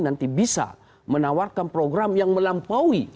nanti bisa menawarkan program yang melampaui